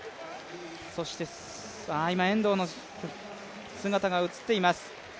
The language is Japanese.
今、遠藤の姿が映っています。